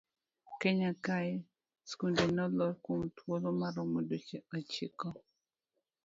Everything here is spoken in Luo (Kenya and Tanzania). Kenya kae skunde nolor kuom thuolo maromo dweche ochiko.